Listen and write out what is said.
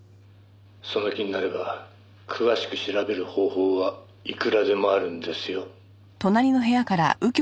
「その気になれば詳しく調べる方法はいくらでもあるんですよ」